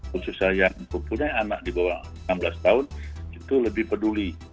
khususnya yang mempunyai anak di bawah enam belas tahun itu lebih peduli